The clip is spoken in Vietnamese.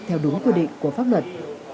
theo đúng quy định của pháp luật